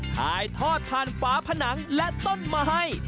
ถ่ายทอดผ่านฟ้าผนังและต้นมะไฮ